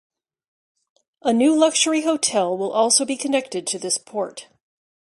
A new luxury hotel will also be connected to this port.